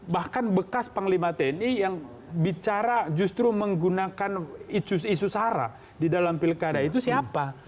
bahkan bekas panglima tni yang bicara justru menggunakan isu sara di dalam pilkada itu siapa